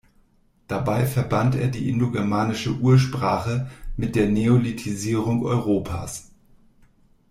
Dabei verband er die „indogermanische Ursprache“ mit der Neolithisierung Europas.